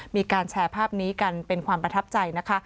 มีการแชร์ภาพนี้กันเป็นความประทับใจนะคะ